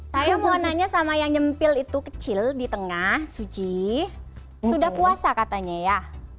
saya mau nanya sama yang nyempil itu kecil di tengah suci sudah puasa katanya ya